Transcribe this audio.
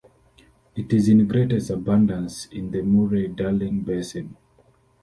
It is in greatest abundance in the Murray-Darling basin.